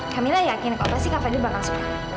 kak mila yakin apa sih kak fadil bakal suka